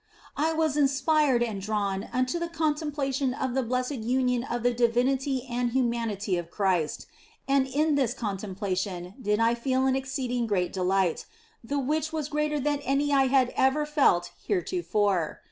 I was inspired and drawn unto the contemplation of the blessed union of the divinity and humanity of Christ, and in this contemplation did I feel an exceeding great delight, the which was greater than any I had ever felt heretofore.